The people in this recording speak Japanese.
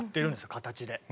形で。